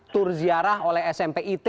tur ziarah oleh smp it